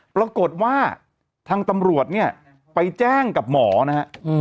ปรากฏว่าทางตำรวจเนี่ยไปแจ้งกับหมอนะฮะ